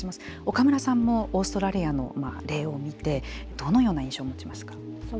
岡村さんもオーストラリアの例を見てどのような印象を持ちますか。